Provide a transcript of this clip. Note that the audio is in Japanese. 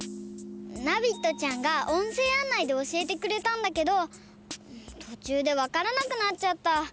ナビットちゃんがおんせいあんないでおしえてくれたんだけどとちゅうでわからなくなっちゃった。